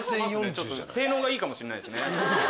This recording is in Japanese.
性能がいいかもしれないですね。